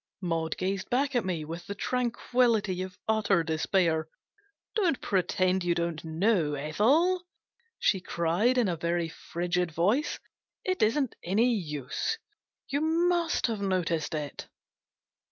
Maud gazed back at me with the tranquillity of utter despair. " Don't pretend you don't know ? Ethel," she cried, in a very frigid voice. " It isn't any use. You must have noticed it."